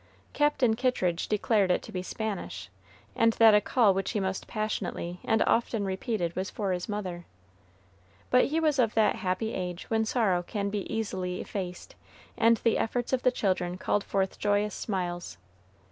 Captain Kittridge declared it to be Spanish, and that a call which he most passionately and often repeated was for his mother. But he was of that happy age when sorrow can be easily effaced, and the efforts of the children called forth joyous smiles.